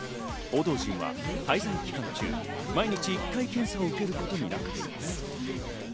報道陣は滞在期間中、毎日１回検査を受けることになっています。